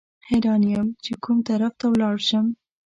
حیران یم چې کوم طرف ته ولاړ شم.